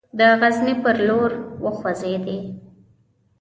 د غزني پر لور وخوځېدی.